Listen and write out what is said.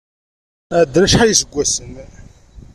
Ɛeddan acḥal n yiseggasen.